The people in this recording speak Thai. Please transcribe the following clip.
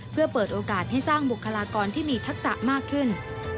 เพื่อเปิดโอกาสให้สร้างบุคลากรที่มีทักษะมากขึ้น